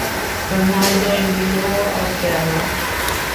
Ronaldo enviou ao ferro.